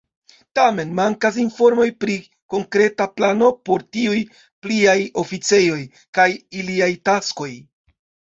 Tamen mankas informoj pri konkreta plano por tiuj "pliaj oficejoj" kaj iliaj taskoj.